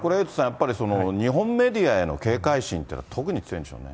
やっぱり、日本メディアへの警戒心というのは、特に強いんでしょうね。